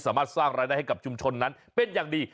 สร้างรายได้ให้กับชุมชนนั้นเป็นอย่างดี